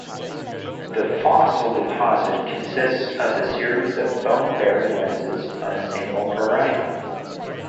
The fossil deposit consists of a series of bone-bearing lenses on a single horizon.